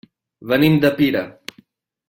Venim de Pira.